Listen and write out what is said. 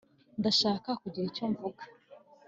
ndashaka kugira icyo mvuga